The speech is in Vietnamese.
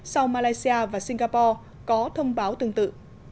sau malaysia và singapore có thông báo tương tự